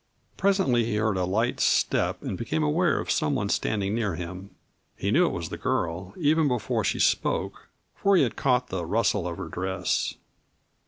Presently he heard a light step and became aware of some one standing near him. He knew it was the girl, even before she spoke, for he had caught the rustle of her dress.